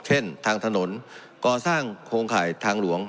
เช่นทางถนนก่อสร้างโครงข่ายทางหลวง